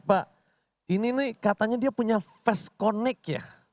pak ini nih katanya dia punya fast connect ya